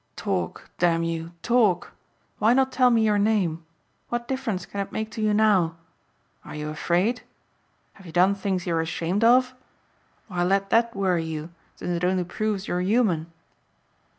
Talk, damn you, talk. Why not tell me your name? What difference can it make to you now? Are you afraid? Have you done things you're ashamed of? Why let that worry you since it only proves you're human."